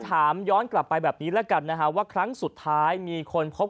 ถามย้อนกลับไปแบบนี้แล้วกันนะฮะว่าครั้งสุดท้ายมีคนพบ